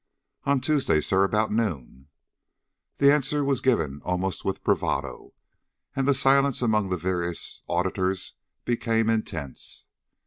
"On Tuesday, sir; about noon." The answer was given almost with bravado, and the silence among the various auditors became intense.